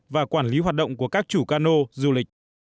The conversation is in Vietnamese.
và quản lý hoạt động của các chủ cano du lịch